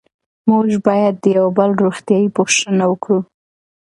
موږ باید د یو بل روغتیایي پوښتنه وکړو.